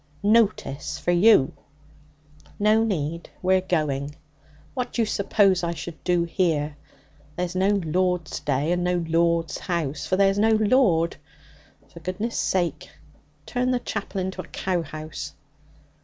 'Notice for you.' 'No need. We're going. What d'you suppose I should do here? There's no Lord's Day and no Lord's house, for there's no Lord. For goodness' sake, turn the chapel into a cowhouse!'